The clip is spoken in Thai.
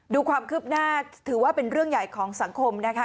ดูความคืบหน้าถือว่าเป็นเรื่องใหญ่ของสังคมนะคะ